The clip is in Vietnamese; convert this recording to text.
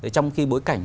trong khi bối cảnh